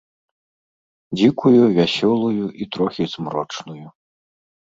Дзікую, вясёлую і трохі змрочную.